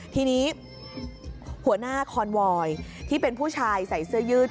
ทีนี้หัวหน้าคอนวอยที่เป็นผู้ชายใส่เสื้อยืด